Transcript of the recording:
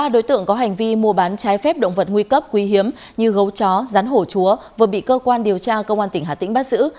ba đối tượng có hành vi mua bán trái phép động vật nguy cấp quý hiếm như gấu chó rắn hổ chúa vừa bị cơ quan điều tra công an tỉnh hà tĩnh bắt giữ